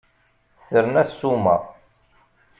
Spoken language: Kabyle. Terna ssuma.